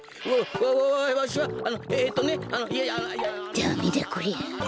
ダメだこりゃ。